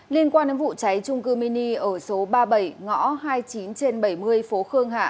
liên quan đến vụ cháy trung cư mini ở số ba mươi bảy ngõ hai mươi chín trên bảy mươi phố khương hạ